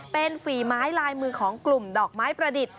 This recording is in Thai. เป็นฝีไม้ลายมือของกลุ่มดอกไม้ประดิษฐ์